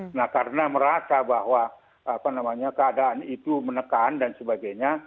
nah karena merasa bahwa keadaan itu menekan dan sebagainya